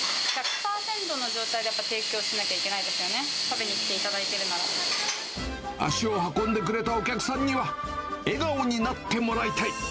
１００％の状態でやっぱ提供しなきゃいけないですよね、食べに来足を運んでくれたお客さんには、笑顔になってもらいたい。